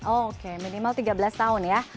oke minimal tiga belas tahun ya